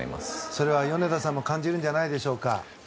それは、米田さんも感じるんじゃないでしょうか。